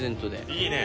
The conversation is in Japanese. いいね。